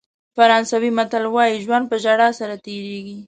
فرانسوي متل وایي ژوند په ژړا سره تېرېږي.